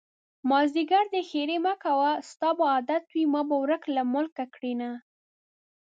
مازديګری دی ښېرې مکړه ستا به عادت وي ما به ورک له ملکه کړينه